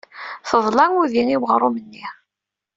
Teḍla udi i weɣrum-nni.